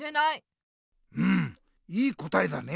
うんいいこたえだね！